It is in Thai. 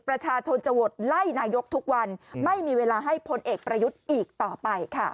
ประชาชนจะโหวตไล่นายกทุกวันไม่มีเวลาให้พลเอกประยุทธ์อีกต่อไปค่ะ